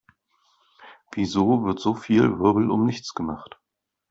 Wieso wird so viel Wirbel um nichts gemacht?